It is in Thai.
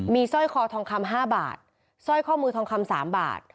มีสร้อยคอทองคำ๕บาทสร้อยข้อมือทองคำ๓บาท